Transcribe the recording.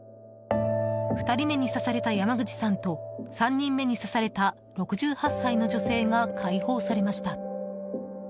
２人目に刺された山口さんと３人目に刺された６８歳の女性が解放されました。